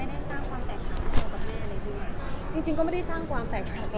อืมอืมอืมอืมอืม